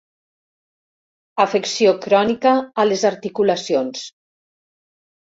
Afecció crònica a les articulacions.